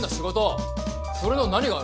それの何が悪い。